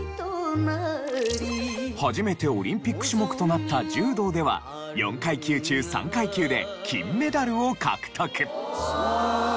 初めてオリンピック種目となった柔道では４階級中３階級で金メダルを獲得。